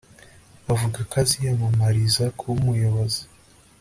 Bavuga ko aziyamamariza kuba umuyobozi